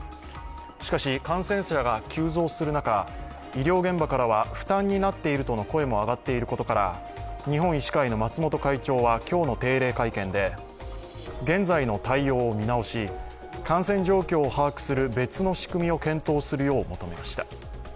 しかし感染者が急増する中、医療現場からは負担になっているとの声も上がっていることから、日本医師会の松本会長は今日の定例会見で現在の対応を見直し、感染状況を把握する別の仕組みを検討するよう求めました。